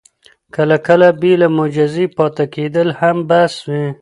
کله کله بې له معجزې پاتې کېدل هم بس وي.